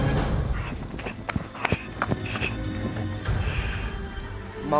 kau mau kemana